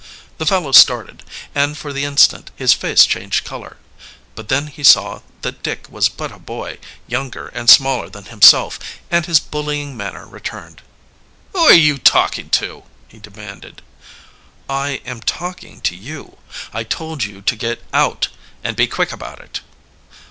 The fellow started, and for the instant his face changed color. But then he saw that Dick was but a boy, younger and smaller than himself, and his bullying manner returned. "Who are you talking to?" he demanded. "I am talking to you. I told you to get out and be quick about it."